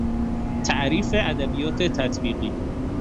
تعریف ادبیات تطبیقی